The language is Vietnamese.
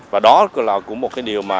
và đó là một điều